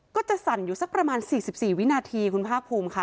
ก็จะสั่นอยู่สักประมาณ๔๔วินาทีคุณภาคภูมิค่ะ